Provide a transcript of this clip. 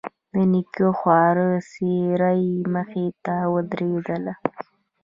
د نيکه خواره څېره يې مخې ته ودرېدله.